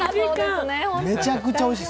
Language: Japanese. めちゃくちゃおいしい。